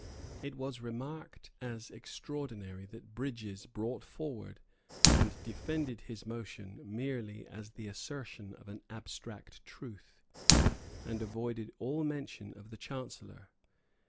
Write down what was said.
It was remarked as extraordinary that Brydges brought forward and defended his motion merely as the assertion of an abstract truth, and avoided all mention of the Chancellor.